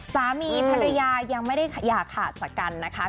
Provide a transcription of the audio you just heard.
สามีภรรยายังไม่ได้อย่าขาดจากกันนะคะ